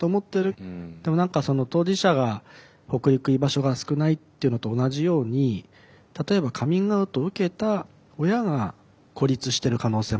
でも何か当事者が北陸居場所が少ないっていうのと同じように例えばカミングアウトを受けた親が孤立してる可能性もあるのかなと。